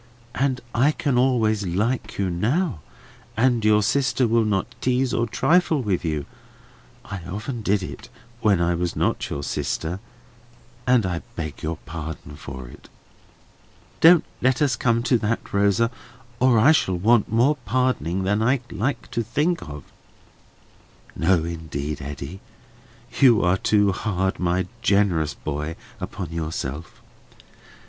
And I can always like you now, and your sister will not tease or trifle with you. I often did when I was not your sister, and I beg your pardon for it." "Don't let us come to that, Rosa; or I shall want more pardoning than I like to think of." "No, indeed, Eddy; you are too hard, my generous boy, upon yourself.